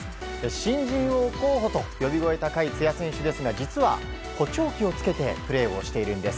新人王候補と呼び声高い津屋選手は実は、補聴器をつけてプレーをしているんです。